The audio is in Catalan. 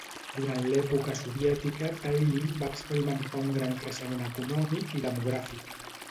Durant l'època soviètica, Tallinn va experimentar un gran creixement econòmic i demogràfic.